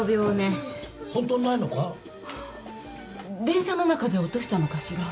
電車の中で落としたのかしら？